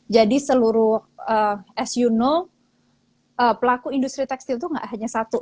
jadi seluruh as you know pelaku industri tekstil itu nggak hanya satu